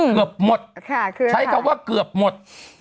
เกือบหมดใช้คำว่าเกือบหมด